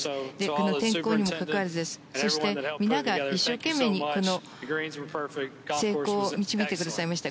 この天候にもかかわらずそして皆が一生懸命にこの成功を導いてくださいました。